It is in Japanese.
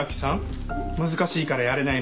「難しいからやれないのではない」。